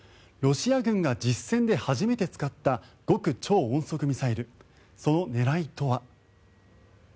ロシア軍が実戦で初めて使った極超音速ミサイルその狙いとは。